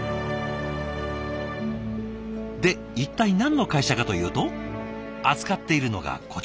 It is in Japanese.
で一体何の会社かというと扱っているのがこちら。